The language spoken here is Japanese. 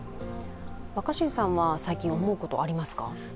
若新さんは最近、思うことはありますか？